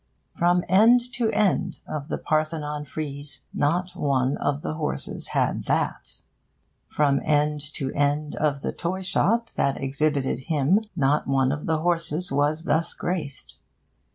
From end to end of the Parthenon frieze not one of the horses had that. From end to end of the toy shop that exhibited him not one of the horses was thus graced.